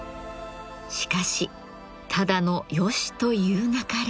しかしただのヨシと言うなかれ。